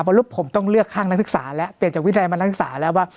เพราะลูกผมต้องเลือกข้างนักศึกษาแล้วเปลี่ยนจากวิทยาลมานักศึกษาแล้วว่า